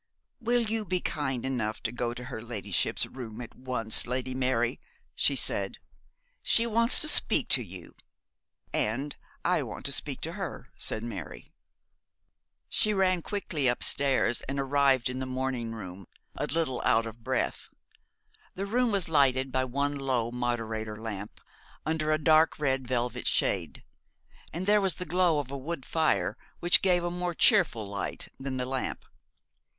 'Will you be kind enough to go to her ladyship's room at once, Lady Mary,' she said. 'She wants to speak to you.' 'And I want to speak to her,' said Mary. She ran quickly upstairs and arrived in the morning room, a little out of breath. The room was lighted by one low moderator lamp, under a dark red velvet shade, and there was the glow of the wood fire, which gave a more cheerful light than the lamp.